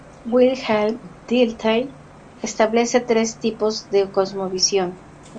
Wilhelm Dilthey establece tres tipos de cosmovisión.